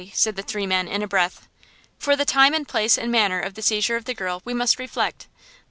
said the three men, in a breath. "For the time and place and manner of the seizure of the girl, we must reflect.